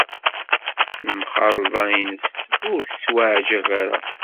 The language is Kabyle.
Lemxalḍa-nnes ur tettweɛjab ara.